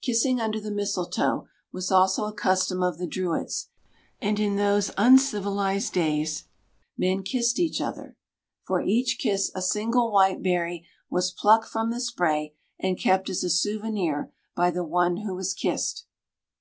Kissing under the mistletoe was also a custom of the Druids, and in those uncivilised days men kissed each other. For each kiss, a single white berry was plucked from the spray, and kept as a souvenir by the one who was kissed.